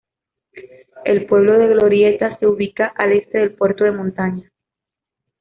El pueblo de Glorieta se ubica al este del puerto de montaña.